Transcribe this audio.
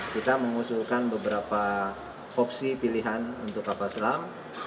kita mengusulkan beberapa opsi pilihan untuk kapal selam